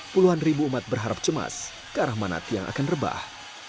puluhan ribu umat berharap cemas ke arah manat yang akan rebah